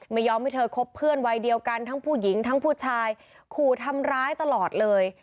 ไม่ยอมให้เธอคบเพื่อนวัยเดียวกันทั้งผู้หญิงทั้งผู้ชายขู่ทำร้ายตลอดเลย